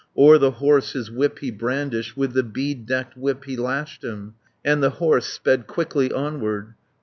O'er the horse his whip he brandished, With the bead decked whip he lashed him. And the horse sped quickly onward.